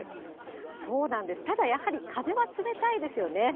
そうなんです、ただやはり風は冷たいですよね。